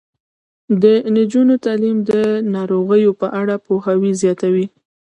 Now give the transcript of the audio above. د نجونو تعلیم د ناروغیو په اړه پوهاوی زیاتوي.